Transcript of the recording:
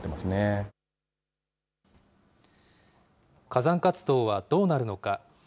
火山活動はどうなるのか。